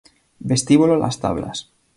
Vestíbulo Las Tablas